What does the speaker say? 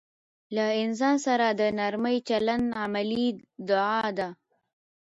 له انسان سره د نرمي چلند عملي دعا ده.